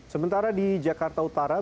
sementara di jakarta utara